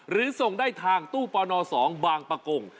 หรือส่งได้ทางตู้ปน๒บางประกง